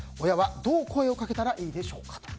親はどう声をかけたらいいでしょうか。